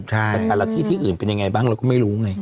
แต่แต่ละที่ที่อื่นเป็นยังไงบ้างเราก็ไม่รู้ไง